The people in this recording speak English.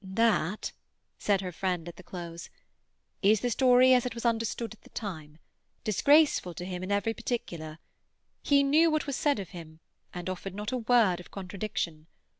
"That," said her friend at the close, "is the story as it was understood at the time—disgraceful to him in every particular. He knew what was said of him, and offered not a word of contradiction.